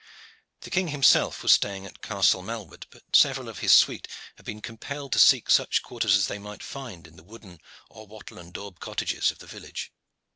The King himself was staying at Castle Malwood, but several of his suite had been compelled to seek such quarters as they might find in the wooden or wattle and daub cottages of the village.